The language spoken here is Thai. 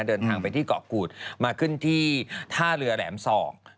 เดินทางไปที่เกาะกูดมาขึ้นที่ท่าเรือแหลมสอง